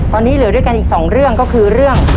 ตอนนี้เหลือด้วยกันอีกสองเรื่องก็คือเรื่อง